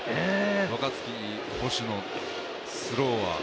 若月捕手のスローは。